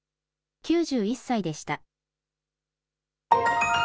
９１歳でした。